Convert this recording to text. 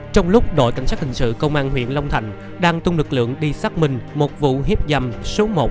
trong lúc đội cảnh sát hình sự công an huyện long thành đang tung lực lượng đi xác minh một vụ hiếp dâm số một